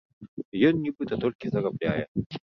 Ён нібыта толькі зарабляе.